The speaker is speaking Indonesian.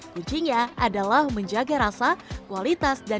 kuncinya adalah menjaga rasa kualitas dan